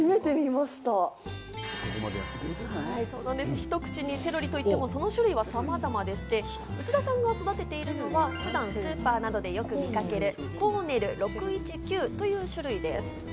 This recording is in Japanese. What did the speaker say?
ひと口にセロリといってもその種類は様々でして、内田さんが育てているのは普段スーパーなどでよく見かけるかコーネル６１９という種類です。